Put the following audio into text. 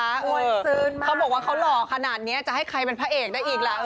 เขาบอกว่าเขาหล่อขนาดนี้จะให้ใครเป็นพระเอกได้อีกล่ะ